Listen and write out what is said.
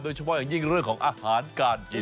เฉพาะอย่างยิ่งเรื่องของอาหารการกิน